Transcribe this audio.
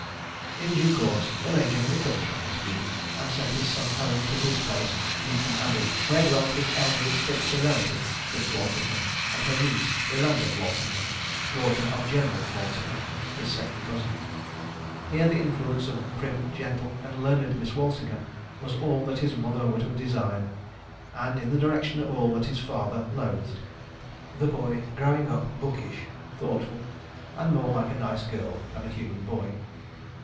In due course the Major recovered from his grief and sent his son home to his place, Leighcombe Abbey, where dwelt his elderly spinster relative, Miss Walsingham, and her niece, Miranda Walsingham, daughter of General Walsingham, his second cousin. Here the influence of prim, gentle, and learned Miss Walsingham was all that his mother would have desired, and in the direction of all that his father loathed—the boy growing up bookish, thoughtful, and more like a nice girl than a human boy.